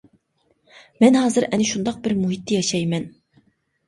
مەن ھازىر ئەنە شۇنداق بىر مۇھىتتا ياشايمەن.